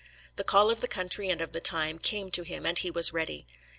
The call of the country and of the time came to him, and he was ready.